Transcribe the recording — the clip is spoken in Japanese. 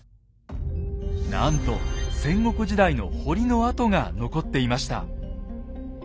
なんと戦国時代の堀の跡が残っていました。